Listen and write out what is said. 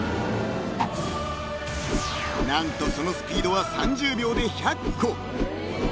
［何とそのスピードは３０秒で１００個］